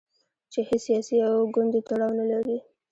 چې هیڅ سیاسي او ګوندي تړاو نه لري.